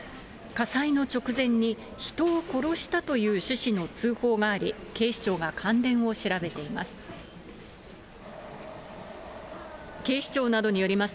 火災の直前に、人を殺したという趣旨の通報があり、警視庁が関連を調べています。